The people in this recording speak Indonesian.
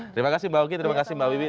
terima kasih mbak oki terima kasih mbak wiwi